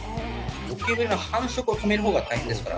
ゴキブリの繁殖を止める方が大変ですから。